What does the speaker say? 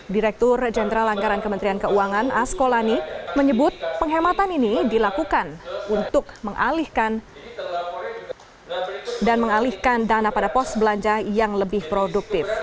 direktur jenderal anggaran kementerian keuangan asko lani menyebut penghematan ini dilakukan untuk mengalihkan dan mengalihkan dana pada pos belanja yang lebih produktif